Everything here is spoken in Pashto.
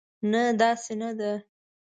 نه، داسې نه ده.